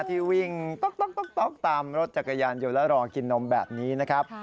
ที่วิ่งต๊อกตามรถจักรยานยนต์แล้วรอกินนมแบบนี้นะครับ